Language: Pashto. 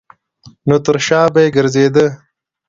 نو تر شا به یې ګرځېده.